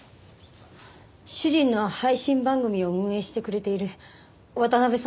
主人の配信番組を運営してくれている渡辺さんです。